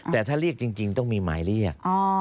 แต่ถ้าเรียกจริงต้องมีหมายเรียก